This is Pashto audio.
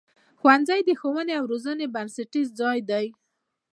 ښوونځی د ښوونې او روزنې بنسټیز ځای دی.